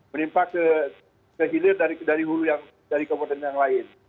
menimpa ke hilir dari hulu dari kabupaten yang lain